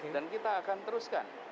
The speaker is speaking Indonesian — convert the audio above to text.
dan kita akan teruskan